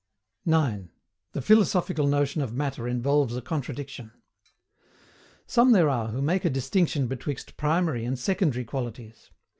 9. THE PHILOSOPHICAL NOTION OF MATTER INVOLVES A CONTRADICTION. Some there are who make a DISTINCTION betwixt PRIMARY and SECONDARY qualities.